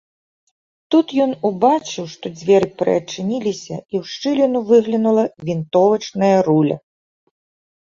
Тут ён убачыў, што дзверы прыадчыніліся і ў шчыліну выглянула вінтовачная руля.